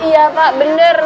iya pak bener